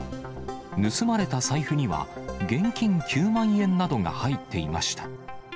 盗まれた財布には、現金９万円などが入っていました。